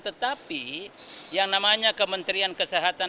tetapi yang namanya kementerian kesehatan